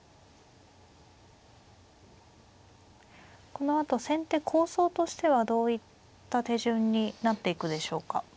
このあと先手構想としてはどういった手順になっていくでしょうか。